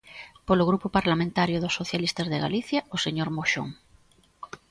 Polo Grupo Parlamentario dos Socialistas de Galicia, o señor Moxón.